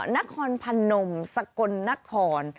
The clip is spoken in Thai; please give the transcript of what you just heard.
นครพนมสกลนคร